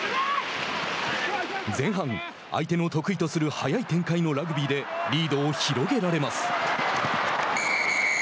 前半、相手の得意とする速い展開のラグビーでリードを広げられます。